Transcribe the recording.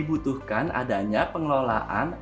untuk menjaga kestabilan perekonomian sebuah negara